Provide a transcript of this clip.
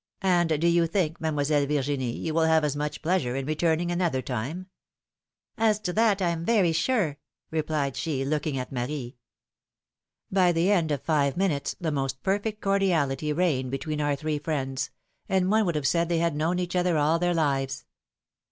^^And do you think, Mademoiselle Vir ginie, you will have as much pleasure in returning another time ? '^As to that, I am very sure," replied she, looking at Marie. By the end of five minutes, the most perfect cordiality reigned between our three friends, and one would have said they had known each other all their lives.